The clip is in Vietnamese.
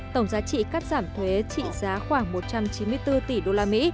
tổng giá trị cắt giảm thuế trị giá khoảng một trăm chín mươi bốn tỷ usd